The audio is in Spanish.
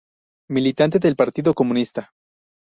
Militante del Partido Comunista.